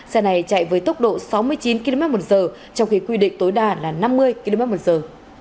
xe này chạy với tốc độ sáu mươi chín km một giờ trong khi quy định tối đa là năm mươi km một giờ